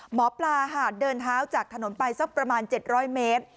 หมอปลาหาดเดินเท้าจากถนนไปสักประมาณ๗๐๐เมตร